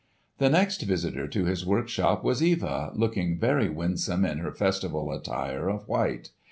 The next visitor to his workshop was Eva, looking very winsome in her festival attire of white.